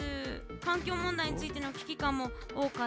環境問題についての危機感も多かっ